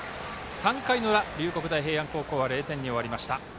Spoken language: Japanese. ３回の裏、龍谷大平安高校は０点に終わりました。